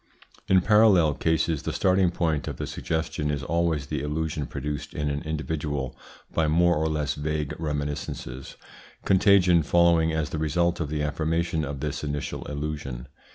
In parallel cases the starting point of the suggestion is always the illusion produced in an individual by more or less vague reminiscences, contagion following as the result of the affirmation of this initial illusion.